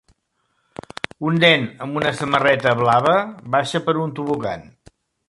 Un nen amb una samarreta blava baixa per un tobogan.